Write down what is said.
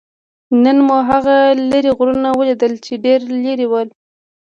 نن مو هغه لرې غرونه ولیدل؟ چې ډېر لرې ول.